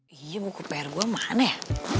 iya buku pr gue mana ya